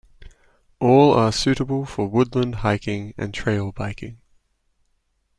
All are suitable for woodland hiking and trail biking.